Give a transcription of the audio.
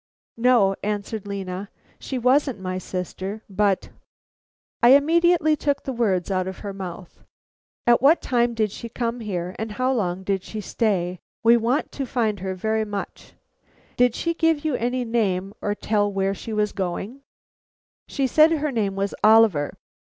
"No," answered Lena, "she wasn't my sister, but " I immediately took the words out of her mouth. "At what time did she come here, and how long did she stay? We want to find her very much. Did she give you any name, or tell where she was going?" "She said her name was Oliver."